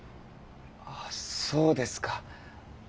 あそうですか。